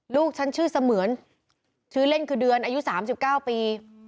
ลูกฉันชื่อเสมือนชื่อเล่นคือเดือนอายุสามสิบเก้าปี